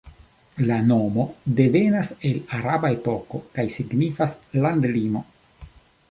La nomo devenas el araba epoko kaj signifas "landlimo".